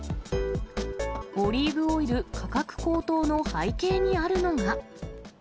オリーブオイル価格高騰の背景にあるのが。